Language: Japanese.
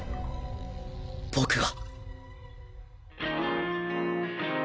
僕は